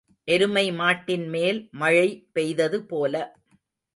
எருமை மாட்டின்மேல் மழை பெய்தது போல.